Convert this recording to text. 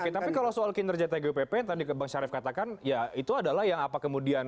oke tapi kalau soal kinerja tgupp yang tadi bang syarif katakan ya itu adalah yang apa kemudian